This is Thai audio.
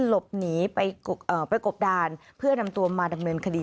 หลบหนีไปกบดานเพื่อนำตัวมาดำเนินคดี